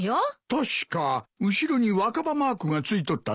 確か後ろに若葉マークが付いとったぞ。